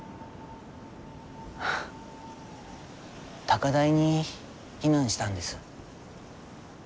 高台に避難したんです。